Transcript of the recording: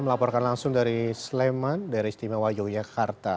melaporkan langsung dari sleman daerah istimewa yogyakarta